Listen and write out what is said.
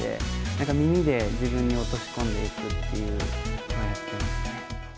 なんか耳で、自分に落とし込んでいくというのをやってましたね。